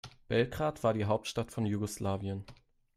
Belgrad war die Hauptstadt von Jugoslawien.